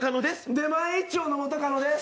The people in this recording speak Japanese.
出前一丁の元カノです。